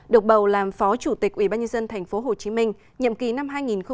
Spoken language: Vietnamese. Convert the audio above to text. được bầu làm phó chủ tịch ủy ban nhân dân tp hcm nhậm ký năm hai nghìn một mươi sáu hai nghìn hai mươi một